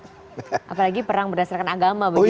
apalagi perang berdasarkan agama begitu ya